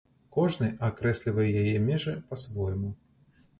Кожны акрэслівае яе межы па-свойму.